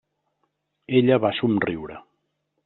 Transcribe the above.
Ella va somriure.